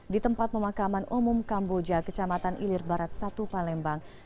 di tempat pemakaman umum kamboja kecamatan ilir barat satu palembang